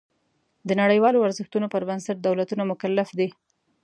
د نړیوالو ارزښتونو پر بنسټ دولتونه مکلف دي.